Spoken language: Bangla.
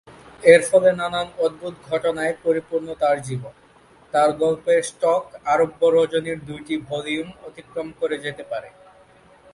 এর ফলে নানান অদ্ভুত ঘটনায় পরিপূর্ণ তাঁর জীবন; তাঁর গল্পের স্টক আরব্য রজনীর দুইটি ভলিউম অতিক্রম করে যেতে পারে।